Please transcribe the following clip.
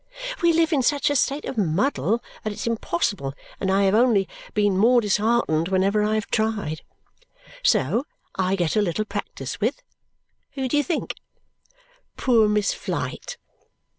We live in such a state of muddle that it's impossible, and I have only been more disheartened whenever I have tried. So I get a little practice with who do you think? Poor Miss Flite!